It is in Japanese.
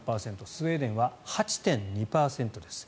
スウェーデンでは８．２％です。